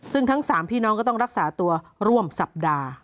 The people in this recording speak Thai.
ซึ่งทั้ง๓พี่น้องก็ต้องรักษาตัวร่วมสัปดาห์